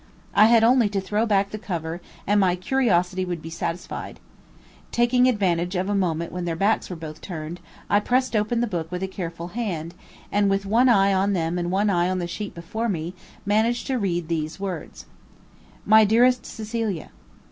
I had only to throw back the cover and my curiosity would be satisfied. Taking advantage of a moment when their backs were both turned, I pressed open the book with a careful hand, and with one eye on them and one on the sheet before me, managed to read these words: MY DEAREST CECILIA.